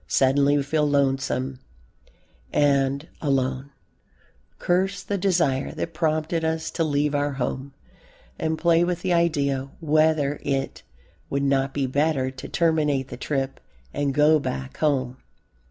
Suddenly we feel lonesome and alone, curse the desire that prompted us to leave our home, and play with the idea whether it would not be better to terminate the trip and go back home.